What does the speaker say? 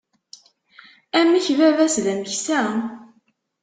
Amek baba-s d ameksa?